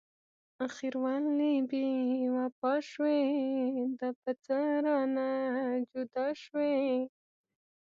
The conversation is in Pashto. اخر ولې بې وفا شوي؟ دا په څه رانه جدا شوي؟